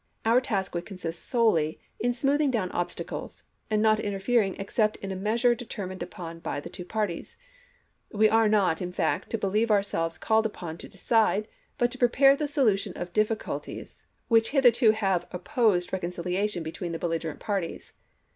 Our task would consist solely in smoothing down obsta cles and not interfering except in a measure de termined upon by the two parties. "We are not, in fact, to believe ourselves called upon to decide but to prepare the solution of difficulties which ■WILLIAM L. DAYTON. DIPLOMACY OF 1862 65 hitherto have opposed reconciliation between the chap. hi. belligerent parties."